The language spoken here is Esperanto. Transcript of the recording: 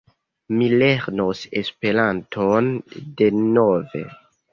Mi lernos Esperanton denove.